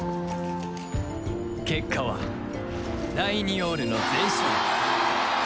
結果はライニオールの全勝。